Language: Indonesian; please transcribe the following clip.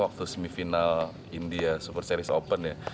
waktu semifinal india super series open ya